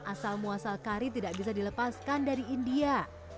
asal muasal kari tidak bisa dilepaskan dari india